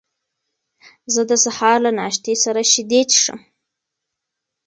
زه د سهار له ناشتې سره شیدې څښم.